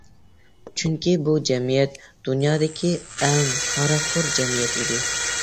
چۈنكى، بۇ جەمئىيەت دۇنيادىكى ئەڭ ھاراقخور جەمئىيەت ئىدى.